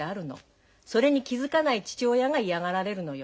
それに気付かない父親が嫌がられるのよ。